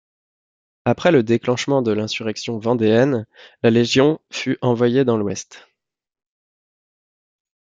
Après le déclenchement de l’insurrection vendéenne, la légion fut envoyée dans l'Ouest.